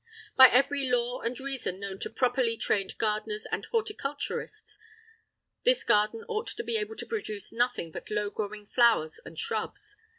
By every law and reason known to properly trained gardeners and horticulturists, this garden ought to be able to produce nothing but low growing flowers and shrubs.